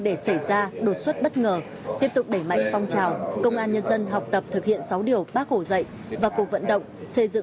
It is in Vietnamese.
để xảy ra đột xuất bất ngờ tiếp tục đẩy mạnh phong trào công an nhân dân học tập thực hiện sáu điều